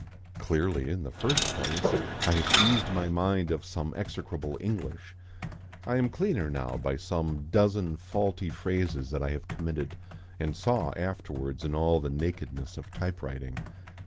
Clearly, in the first place, I have eased my mind of some execrable English. I am cleaner now by some dozen faulty phrases that I committed and saw afterwards in all the nakedness of typewriting.